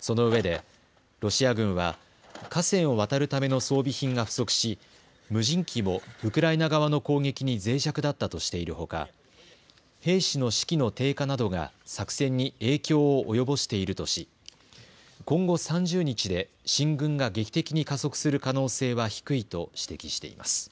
そのうえでロシア軍は河川を渡るための装備品が不足し、無人機もウクライナ側の攻撃にぜい弱だったとしているほか兵士の士気の低下などが作戦に影響を及ぼしているとし今後３０日で進軍が劇的に加速する可能性は低いと指摘しています。